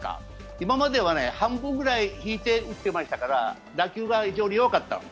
今までは半分ぐらい引いて打ってましたから打球が非常に弱かった。